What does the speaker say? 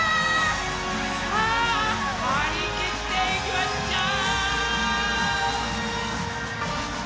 さあはりきっていきましょう！